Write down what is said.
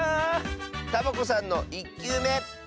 サボ子さんの１きゅうめどうぞ！